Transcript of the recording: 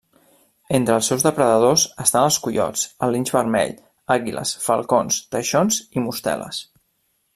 Entre els seus depredadors estan els coiots, el linx vermell, àguiles, falcons, teixons i mosteles.